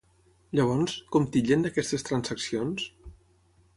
Llavors, com titllen d'aquestes transaccions?